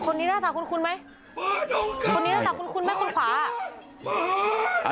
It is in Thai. คนนี้หน้าตาคุ้นแม่คุณขวา